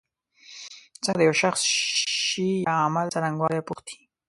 څنګه د یو شخص شي یا عمل څرنګوالی پوښتی.